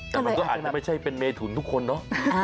แต่มันก็อาจจะไม่ใช่เป็นเมถุนทุกคนเนาะ